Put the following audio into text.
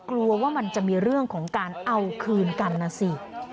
กลัวว่ามันจะมีเรื่องของการเอาคืนกันนะสิ